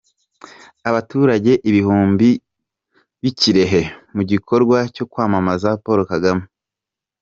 Abaturage ibihumbi b'i Kirehe mu gikorwa cyo kwamamaza Paul Kagame.